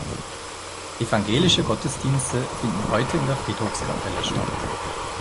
Evangelische Gottesdienste finden heute in der Friedhofskapelle statt.